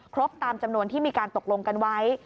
ครบตามจำนวนที่มีการตกลงกันไว้